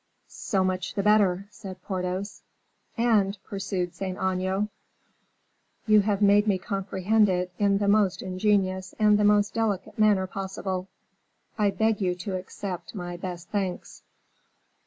"So much the better," said Porthos. "And," pursued Saint Aignan, "you have made me comprehend it in the most ingenious and the most delicate manner possible. I beg you to accept my best thanks."